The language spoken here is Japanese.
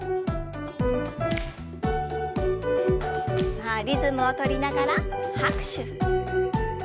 さあリズムを取りながら拍手。